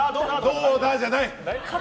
どうだ？じゃない！